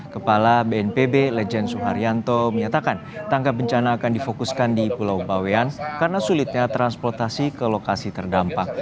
kepala bnpb lejen suharyanto menyatakan tanggap bencana akan difokuskan di pulau bawean karena sulitnya transportasi ke lokasi terdampak